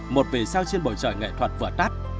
một vị sao trên bầu trời nghệ thuật vừa tắt